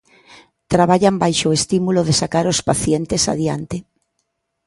Traballan baixo o estímulo de sacar os pacientes adiante.